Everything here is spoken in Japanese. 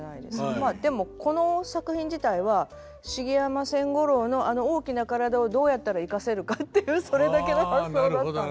まあでもこの作品自体は茂山千五郎のあの大きな体をどうやったら生かせるかっていうそれだけの発想だったんです。